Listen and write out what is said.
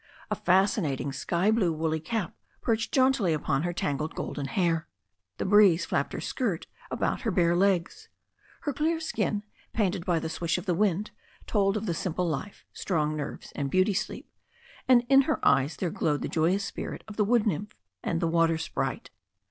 A fascinating sky blue woolly cap perched jauntily upon her tangled golden hair. The breeze flapped her skirt about her bare legs. Her clear skin, painted by the swish of the wind, told of the simple life, strong nerves and beauty sleep, and in her eyes there glowed the joyous spirit of the wood nymph and the water sprite.